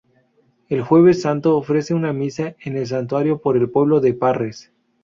El Jueves Santo ofrecen una misa en el santuario por el Pueblo de Parres.